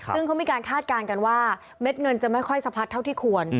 ซึ่งเขามีการคาดการณ์กันว่าเม็ดเงินจะไม่ค่อยสะพัดเท่าที่ควร